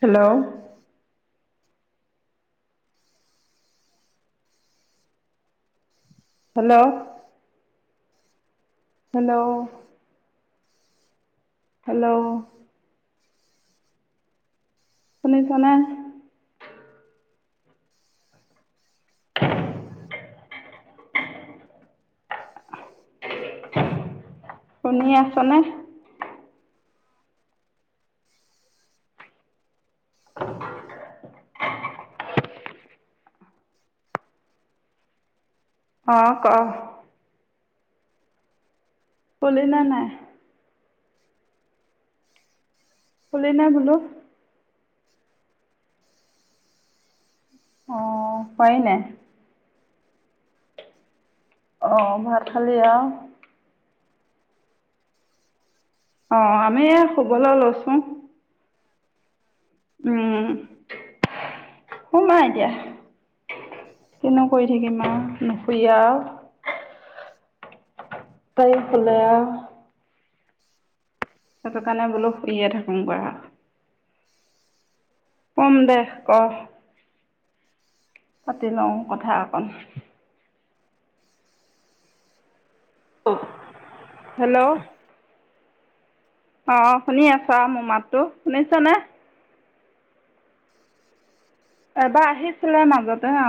Hello hello hello hello শুনিছা নে? শুনি আছনে? অ কম পুলিনে নাই। শুলি নে বোলো। অ পাৰি নাই। আহ ভাত খালি আও অ আমি শুবলৈ লৈছো। উম সমা এতিয়া কিনো কৰি থাকিম নুশুয়া আৰু তাই শুলে আৰু সেইটো কাৰণে বোলো ইয়ে থাকোম বা কম দে ক পাতি লওঁ কথা অকন অ হেল্ল' অ শুনি আছ আৰু মোৰ মাতটো শুনিছনে। এবাৰ আহিছিলে মাজতে অ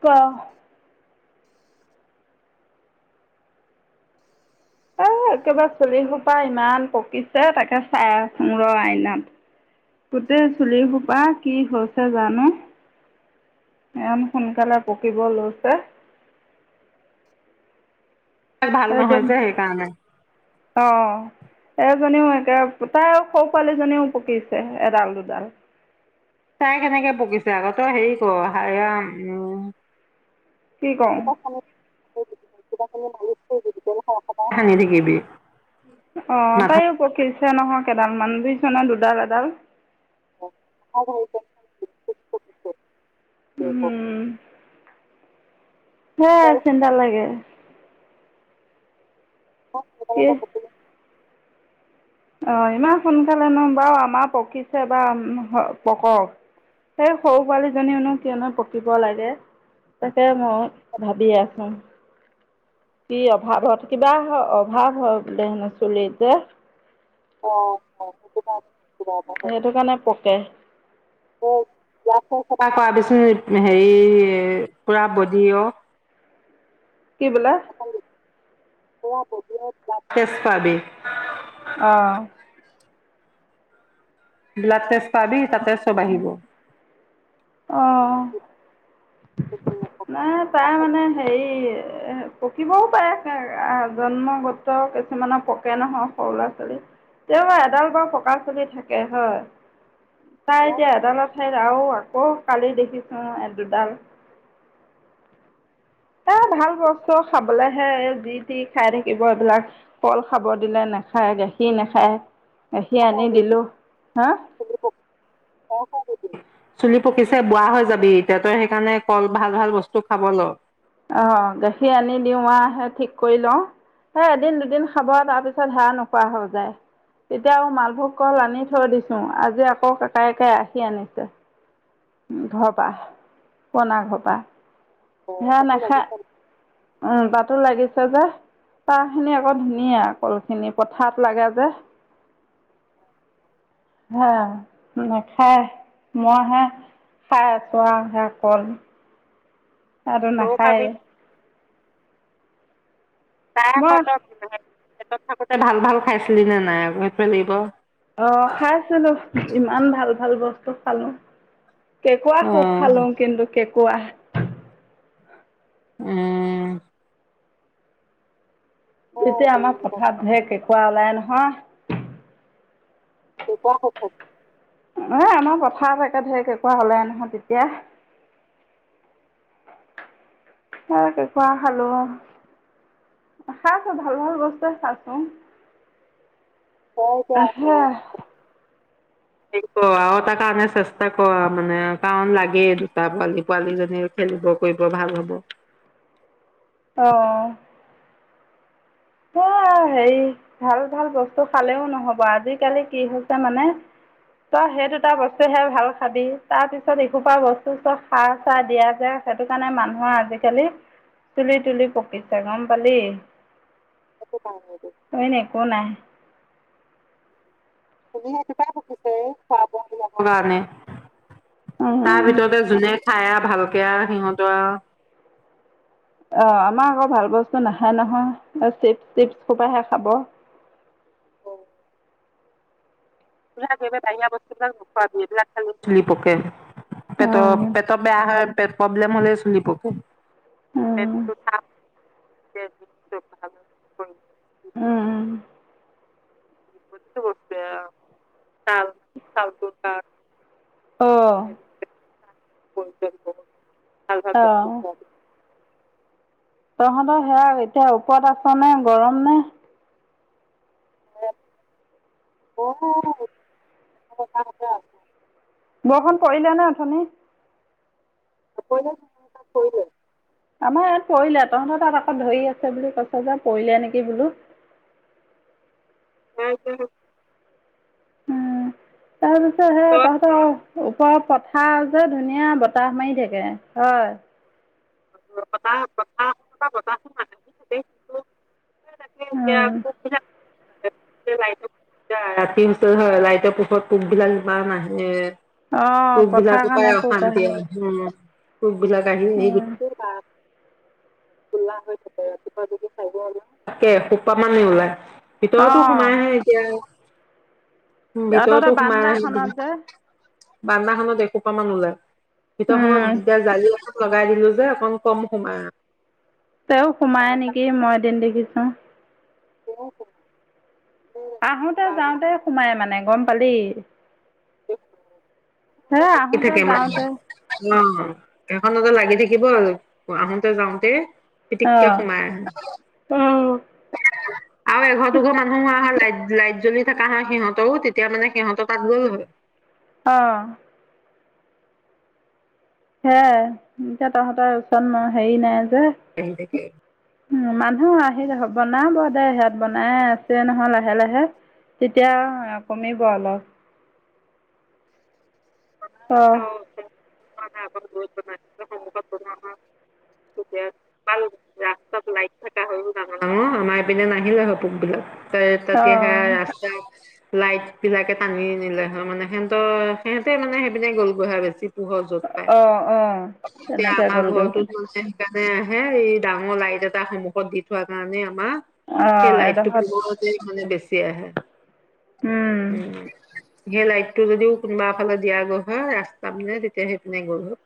ক এ একেবাৰে চুলিসোপা ইমান পকিছে তাকে চাই আচুঙ ৰ আইনাত। গোটেই চুলিসোপা কি হৈছে জানো, ইমান সোনকালে পকিব লৈছে। ভাল নহয় এদম যে সেইকাৰণে অ এজনীও একে পৌতাও সৰু পোৱালিজনীও পকিছে এডাল দুডাল। তাই কেনেকে পকিছে আগত? তই হেৰি ক হাৰাম কি কওঁ? [inaudible] হানি থাকিব। অ তাইও পকিছে নহয় কেইডাল মান। তুইছনে দুডাল এডাল। [unintelligible] [unintelligible] হে চেণ্ডা লাগে। [unintelligible] অ ইমান সোনকালেনো বাৰু আমাৰ পকিছে বা পকক। সেই সৰু পোৱালীজনীনো কিয়নো পকিব লাগে? তাকে মই ভাবি আছো। কি অভাৱত কিবা অভাৱ হয় বোলে হেনো চুলিত যে। অ সুবিধা সেইটো কাৰণে পকে। [unintelligible] হেৰী পোৱা গজিব। কি বোলি? [unintelligible] ব্লাড টেষ্ট কৰাবি। অহ ব্লাড টেষ্ট কৰবী তাতে চব আহিব। অঁ নাই তাই মানে হেৰি পকিবও পাৰে। জন্মগত কিছুমানৰ পকে নহয় সৰু ল'ৰা ছোৱালী। তেওঁ এডাল বা পকা চুলি থাকে হয়। তাই যে এটা এডাল এঠাইত আকৌ কালি দেখিছো দুডাল। এ ভাল বস্তু খাবলৈ স যি তি খাই থাকিব এইবিলাক কল খাব দিলে নাখায়, গাখীৰ নাখায়। গাখীৰ আনি [unintelligible] দিলোঁ হা চুলি পকিছে বুঢ়া হৈ যাবি এতিয়া তই সেইকাৰণে কল ভাল-ভাল বস্তু খাব লঃ। আহ গাখীৰ আনি দিওঁ আহ সে ঠিক কৰি লওঁ। সেই এদিন দুদিন খাব তাৰপিছত হে় নোখোৱা হৈ যায়। তেতিয়া আৰু মালভোগ কল আনি থৈ দিছোঁ আজি আকৌ ককায়েকে আহি আনিছে। ঘৰপা, পুৰণা ঘৰপা। অ কতে লাগিছ উম তাতো লাগিছে যে, তাহ খিনি আকৌ ধুনীয়া কলখিনি পথত লাগে যে। হে নাখাই। মই হে খাই আছো আৰুহে অকল। আৰু তইও খাবি নাখায়। মই [unintelligible] পেটত থাকোতে ভাল-ভাল খাইছিলি নে নাই? শেটোৱে লাগিব। অ খাইছিলো ইমান ভাল ভাল বস্তু খালোঁ কেঁকোৰা অ খুব খালো কিন্তু কে কোৱা উম ক এতিয়া আমাৰ পথাৰ শেষ কেঁকোৱা ওলাই নহয় কেঁকোৱা এ আমাৰ পথাৰত একে ধেৰ কেঁকোৰা হ'লে নহয় তেতিয়া, স কেঁকোৰা খালো খাইছো ভাল ভাল বস্তুৱে খাইছো তই এতিয়া হে আহ সেই কৰ আও এটাৰ কাৰণে চেষ্টা কৰ মানে কাৰণ লাগেই দুটা পোৱালি পোৱালিজনীৰ খেলিব কৰিব ভাল হ'ব অঁ এ হেৰি ভাল ভাল বস্তু খালেও নহ'ব আজিকালি কি হৈছে মানে তই সেই দুটা বস্তুহে ভাল খাবি তাৰ পিছত এসোপা বস্তু চব সাৰ চাৰ দিয়া যে সেইটো কাৰণে মানুহৰ আজিকালি চুলি তুলি পকিছে গম পালি এইটো পাই অইন একো নাই কাৰণে উম উম তাৰ ভিতৰতে যোনে খাই আৱ ভালকে আৱ সিহঁতৰ আৱ অ আমাৰ আকৌ ভাল বস্তু নেখায় নহয় চিপছ টিপছ হোপাহে খাব পুৰা একেবাৰে বাহিৰা বস্তুবিলাক নোখোৱাবি এইবিলাক খালে চুলি পকে পেট উম পেট বেয়া হয় পেট প্ৰব্লেম হ'লে চলিব উম উম [unintelligible] অঁ [unintelligible] অ [unintelligible] তহঁতৰ সেয়া এতিয়া ওপৰত আছে নে গৰম নে অ আ [unintelligible] বৰষুণ পৰিলে নে অথনি [unintelligible] আমাৰ ইয়াত পৰিলে তহঁতৰ তাত আক ধৰি আছে বুলি কৈছ যে পৰিলে নেকি বোলো [unintelligible] উম, তাৰপিছত সেয়া তহঁতৰ ওপৰত পথাৰ যে ধুনীয়া বতাহ মাৰি থাকে হয় [inaudible] [unintelligible] [unintelligible] ৰাতিৰ ওচৰ হয় লাইটৰ পোহৰত পোক বিলাক ইমান আহে অঁ পুক পথাৰ বিলাকৰ পৰাই কাৰণে পোক অশান্তি আহে হয় উম পুক বিলাক আহি আহি অঁ গোটেই ধোলা হৈ থাকে ৰাতিপুৱা যদি হাৰিব ওলাও এখুপা মানেই ওলাই। ভিতৰতো সোমাই আহে এতিয়া অঁ ভিতৰতো তহঁতৰ সোমাই আহে বান্দাখনত যে বান্দাখননত এখোপামান ওলায়। উম, ভিতৰখনত যেতিয়া জাৰি আ লগাই দিলো যে অকন কম সোমাই। তেওঁ সোমায় নেকি মই এদিন দেখিছো। অ তেওঁৱ ক আহোতে যাওঁতে সোমাই মানে গম পালি? হে [unintelligible] ই আহোঁতে কেম যাওঁতে উ এখনতে লাগি থাকিব আৰু আহোতে যাওঁতে পিটিককে অহ সোমাই উম আৰু এঘৰ দুঘৰ মানুহ হোৱা হ'লে লাইট জ্বলি থকা হয় সিহঁতৰও তেতিয়া মানে সিহঁতৰ তাত গ'ল হয়। অহ হে এতিয়া তহঁতৰ ওচৰত হেৰি নাই আহি থাকে উ মান ন আহিলে হ'ব না বনাব দে সেয়াত বনাই আছে নহয় লাহে লাহে। তেতিয়া কমিব অলপ অহ ন গল [unintelligible] অ আমাৰপিনে নাহিলে হয় পোকবলাক তেতিয়াহে অঁ ৰাস্তাও লাইট বিলাকে টানি আনিলে হয় মানে সেতৰ, সিহঁতে মানে সেই পিনে গ'লগৈ হয় বেছি পোহৰ য'ত পায় অ অ, এতিয়া তেনেকে আমাৰ গ'লগৈ ঘৰটোত মানে সেইকাৰণে হে এই ডাঙৰ লাইট এটা সন্মুখত দি থোৱা কাৰণে সেই অঁ লাইটটো এডোখৰত পুহৰ যে সেই কাৰণে চিয়া হে উম সেই লাইটটো যদিও কোনোবা ফালে দিয়া গল হয় ৰাস্তা পিনে তেতিয়া সেই পিনে গল হয়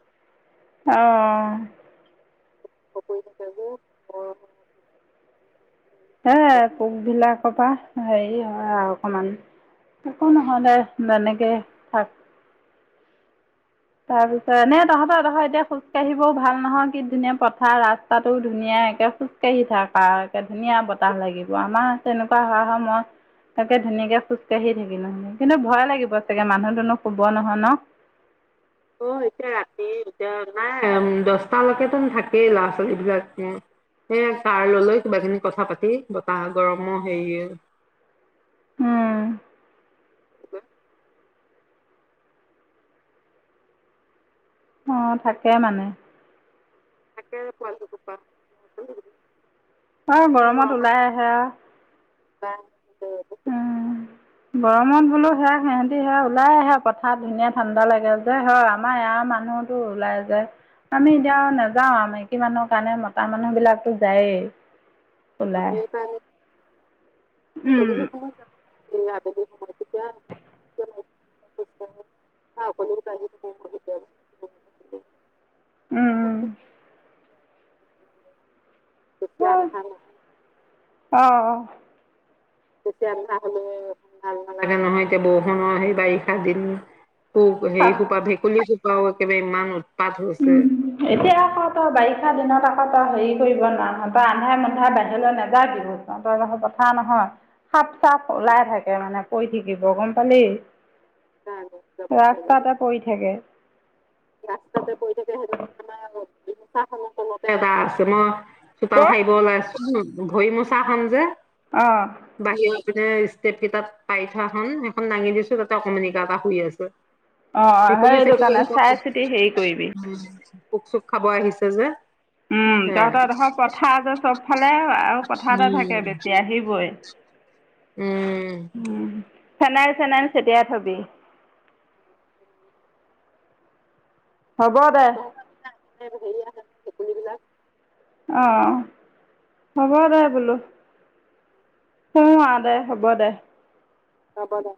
অঁ [unintelligible] সে পোকবিলাকৰ পৰা হেৰি হয় আৰু অকণমান, একো নহয় দে তেনেকেই থাক। তাৰপিছত, এনে তহঁতৰ দেখৰ এতিয়া খোজকাাঢ়িবও ভাল নহয় কি ধুনীয়া পথাৰ ৰাস্তাটোও ধুনীয়া একে খোজকাাঢ়ি থাক আৰু একে ধুনীয়া বতাহ লাগিব, আমাৰ তেনেকুৱা হোৱা হয় মই তাকে ধুনীয়াকে খোজকাাঢ়ি থাকিলো হয় কিন্তু ভয় লাগিব চাগে মানুহ-দুনুহ শুব নহয় ন? অ এতিয়া ৰাতি এতিয়া নাই দচটালৈকেতো থাকেই ল'ৰা ছোৱালীবিলাক, সে ছাৰ ললৈ কিবাখিনি কথা পাতি বতাহ গৰমৰ হেৰি ওম্ অ থাকে মানে। নাকে পোৱালল ক্পা [unintelligible] বৰ গৰমত ওলাই আহে। হয় [unintelligible] [inaudible] উম গৰমত বোলো সেয়া সিহঁতি সেয়া ওলাই আহে পথাৰ ধুনীয়া ঠাণ্ডা লাগে যে হয়। আমাৰ ইয়াৰ মানুহতো ওলাই যায়, আমি যাওঁ নাযাওঁ আমি মাইকী মানুহৰ কাৰণে মতা মানুহ বিলাকতো যায়েই। অ ওলাই। হেকৰণে উম, সমত যাব [unintelligible] [unintelligible] উ উম, উম, [inaudible] [inaudible] [unintelligible] অহ-অহ এতিয়া আন্ধাৰ হলে ভাল নালাগে নহয় এতিয়া বৰষুণৰ সেই বাৰিষা দিন। ঐ সেই সোপা ভেকুলি আৰু একেবাৰে ইমান উৎপাত হৈছে। উম এতিয়া আকৌ তই বাৰিষা দিনত আ ত হেৰি কৰিব নোৱাৰ তই আন্ধাই মুন্ধাই বাহিৰলৈ নাযাবি তই কথা নহয়। সাপ-চাপ ওলাই থাকে মানে পৰি থাকিব গম পালি? [unintelligible] ৰাস্তাতে পৰি থাকে। ৰাস্তাতে পৰি থাকে, সেইদিনাখন আমাৰ ৰিক্সা খনৰ তলতে এটা আছে মই চোতাল সাৰিব ওলাইছো ভৰি মোচা খন যে। অহ। বাহিৰৰ ষ্টেপ কেইটাত পাৰি থোৱা খন সেইখন দাঙি দিছো তাতে অকমানি দাদা শুই আছে। অ ভেকুলী সেইটো চেকুলী কাৰণে চাই চিতি হেৰি কৰিবি। পোক চুক খাব আহিছে যে। উম হে তহঁতৰ এডখৰ পথাৰ যে চব ফালে আৰু পথাৰতে উম। থাকে বেছি আহিবই। উম। উম, ফেনাইল চেনাইল চিতিয়াই থবি। হ'ব দে। [unintelligible] অ, হ'ব দে বোলো। উ, আহ দে, হ'ব দে। হব দে।